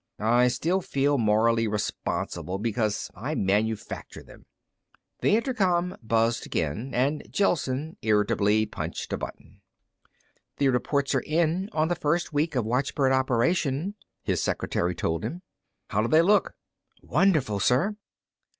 "I still feel morally responsible because I manufacture them." The intercom buzzed again, and Gelsen irritably punched a button. "The reports are in on the first week of watchbird operation," his secretary told him. "How do they look?" "Wonderful, sir."